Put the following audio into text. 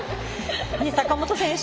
坂本選手